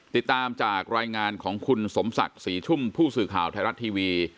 ติดตามจากรายงานของคุณสมศักดิ์ศรีชุ่มผู้สื่อข่าวไทยรัฐทีวี